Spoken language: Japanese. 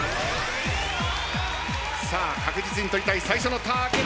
さあ確実に取りたい最初のターゲット。